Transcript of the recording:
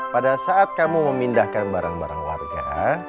pada saat kamu memindahkan barang barang warga